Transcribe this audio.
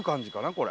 これ。